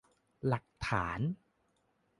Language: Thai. หลักฐาน !